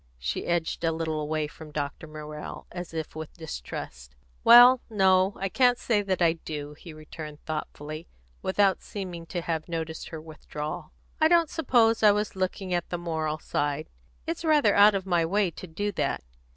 She edged a little away from Dr. Morrell, as if with distrust. "Well, no; I can't say that I do," he returned thoughtfully, without seeming to have noticed her withdrawal. "I don't suppose I was looking at the moral side. It's rather out of my way to do that.